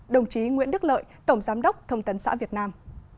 đồng chí nguyễn đức lợi tổng giám đốc thông tấn xã việt nam